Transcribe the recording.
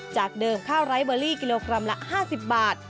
จากเดิมข้าวไร้เบอรี่กิโลกรัมละ๕๐บาท